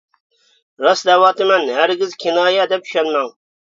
راست دەۋاتىمەن، ھەرگىز كىنايە دەپ چۈشەنمەڭ.